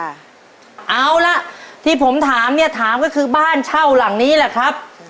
เอาล่ะที่ผมถามเนี่ยถามก็คือบ้านเช่าหลังนี้แหละครับ